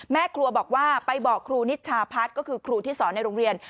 แม่ครัวบอกว่าไปบอกครูนิชาพัฒน์ก็คือครูที่สอนในโรงเรียน